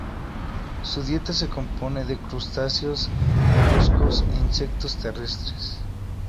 Su dieta se compone de crustáceos, moluscos e insectos terrestres.